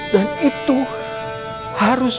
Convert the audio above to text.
dan itu harus